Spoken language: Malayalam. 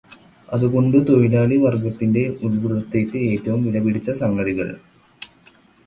അതുകൊണ്ട് തൊഴിലാളി വർഗത്തിന്റെ ഉൽബുദ്ധതയ്ക്ക് ഏറ്റവും വിലപിടിച്ച സംഗതികൾ അവയിൽ നിറയെ ഉണ്ട്.